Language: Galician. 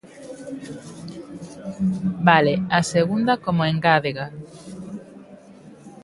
Vale, a segunda como engádega.